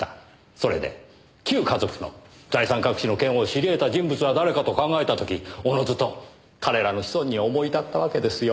それで旧華族の財産隠しの件を知り得た人物は誰かと考えた時おのずと彼らの子孫に思い至ったわけですよ。